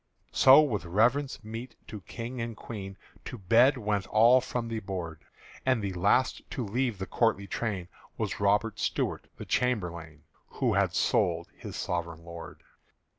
So with reverence meet to King and Queen To bed went all from the board; And the last to leave the courtly train Was Robert Stuart the chamberlain Who had sold his sovereign lord.